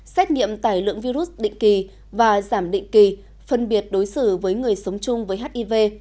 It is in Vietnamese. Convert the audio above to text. xét nghiệm tải lượng virus định kỳ và giảm định kỳ phân biệt đối xử với người sống chung với hiv